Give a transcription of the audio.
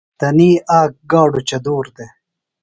تنی آک گاڈُوۡ چدُور دےۡ۔